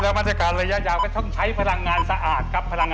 แล้วมาตรการระยะยาวก็ต้องใช้พลังงานสะอาด